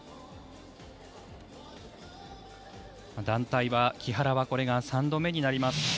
団体は木原はこれが３度目になります。